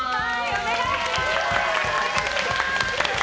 お願いします。